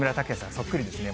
そっくりですね。